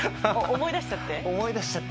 思い出しちゃって？